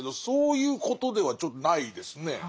そういうことではちょっとないですね。